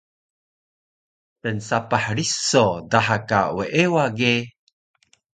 Tnsapah riso daha ka weewa ge